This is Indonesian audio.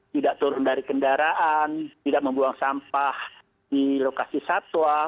tidak turun dari kendaraan tidak membuang sampah di lokasi satwa